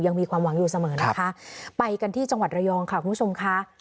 มีความหวังอยู่เสมอนะคะไปกันที่จังหวัดระยองค่ะคุณผู้ชมค่ะ